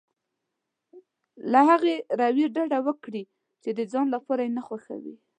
له هغې رويې ډډه وکړي چې د ځان لپاره نه خوښوي.